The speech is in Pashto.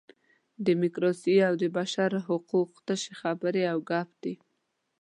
ډیموکراسي او د بشر حقوق تشې خبرې او ګپ دي.